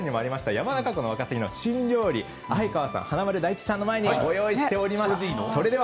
山中湖のワカサギの新料理哀川さん、華丸さん大吉さんの前にご用意しています。